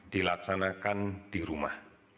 dilaksanakan di rumah